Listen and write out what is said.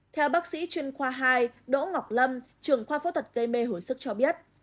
theo bác sĩ chuyên khoa hai đỗ ngọc lâm trường khoa phẫu thuật gây mê hồi sức cho biết